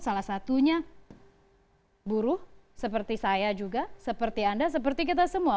salah satunya buruh seperti saya juga seperti anda seperti kita semua